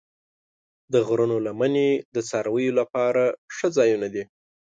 د غرونو لمنې د څارویو لپاره ښه ځایونه دي.